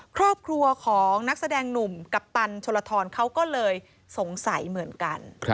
ครอบครัวของนักแสดงหนุ่มกัปตันชนลทรเขาก็เลยสงสัยเหมือนกัน